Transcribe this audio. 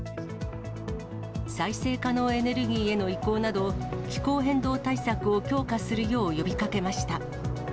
再生可能エネルギーへの移行など、気候変動対策を強化するよう呼びかけました。